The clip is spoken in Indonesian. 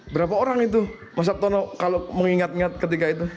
berapa orang itu mas sabtono kalau mengingat ingat ketika itu